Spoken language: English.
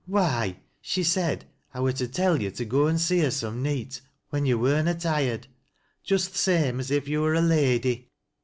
" Why, she said I were to tell yo' to go and see hei some neet when yo' wur na tired, — just th' same as if yo' wur a lady.